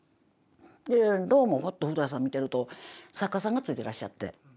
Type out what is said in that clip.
でどうもふっと古さん見てると作家さんがついてらっしゃって。